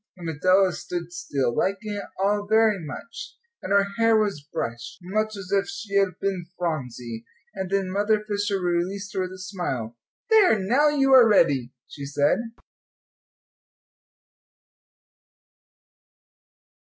And Adela stood still, liking it all very much; and her hair was brushed, much as if she had been Phronsie, and then Mother Fisher released her with a smile. "There, now you are ready," she said.